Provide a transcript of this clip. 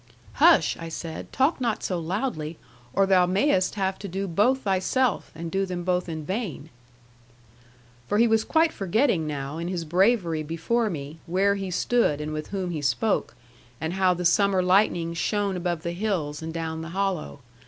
'"Hush!" I said; "talk not so loudly, or thou mayst have to do both thyself, and do them both in vain." 'For he was quite forgetting now, in his bravery before me, where he stood, and with whom he spoke, and how the summer lightning shone above the hills and down the hollow.